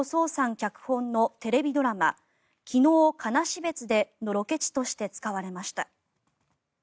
脚本のテレビドラマ「昨日、悲別で」のロケ地として使われました。